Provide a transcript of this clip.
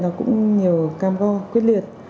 nó cũng nhiều cam go quyết liệt